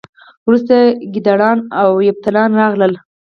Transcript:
وروسته کیداریان او یفتلیان راغلل